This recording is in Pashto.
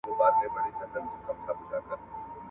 پخوا به محصلینو په کتابتونونو کي ډېر کار کاوه.